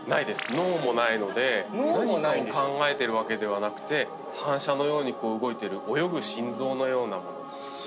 脳もないので何かを考えてるわけではなくて反射のようにこう動いてる泳ぐ心臓のようなものです。